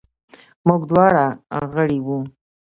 موږ دواړه غړي وو.